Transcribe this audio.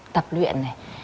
tập luyện này